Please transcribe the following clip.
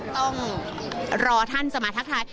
ต้องรอท่านจะมาทักทาย